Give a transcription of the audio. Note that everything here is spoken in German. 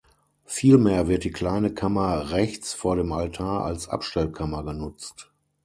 Vielmehr wird die kleine Kammer rechts vor dem Altar als Abstellkammer genutzt.